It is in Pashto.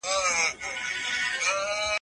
مشرانو به د ملي شتمنيو د ساتنې لارښوونې کړي وي.